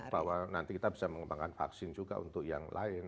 bahwa nanti kita bisa mengembangkan vaksin juga untuk yang lain